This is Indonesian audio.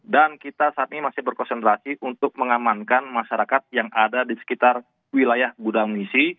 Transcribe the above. dan kita saat ini masih berkonsentrasi untuk mengamankan masyarakat yang ada di sekitar wilayah gudang munisi